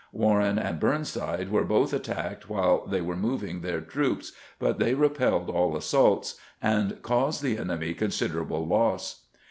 Warren and Burnside were both attacked while they were moving their troops, but they repelled all assaults, and caused the enemy considerable loss.